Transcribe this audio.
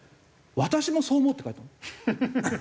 「私もそう思う」って書いたの。